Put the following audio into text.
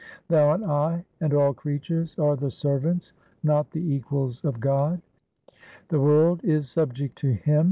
Thou and I and all creatures are the servants, not the equals of God. The world is subject to Him.